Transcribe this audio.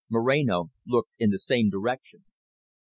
Moreno looked in the same direction.